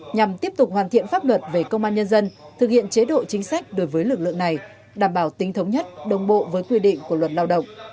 nhằm tiếp tục hoàn thiện pháp luật về công an nhân dân thực hiện chế độ chính sách đối với lực lượng này đảm bảo tính thống nhất đồng bộ với quy định của luật lao động